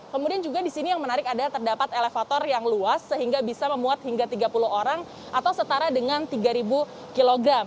kemudian juga di sini yang menarik adalah terdapat elevator yang luas sehingga bisa memuat hingga tiga puluh orang atau setara dengan tiga kilogram